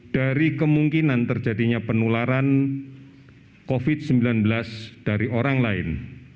dari kemungkinan terjadinya penularan covid sembilan belas dari orang lain